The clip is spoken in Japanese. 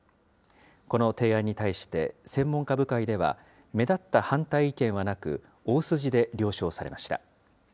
この提案に対して、専門家部会では、目立った反対意見はなく、大筋で了承されました。